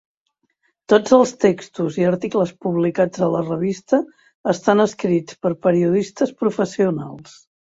Tots els textos i articles publicats a la revista estan escrits per periodistes professionals.